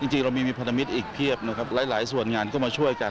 จริงเรามีพันธมิตรอีกเพียบนะครับหลายส่วนงานก็มาช่วยกัน